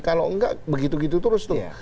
kalau nggak begitu begitu terus tuh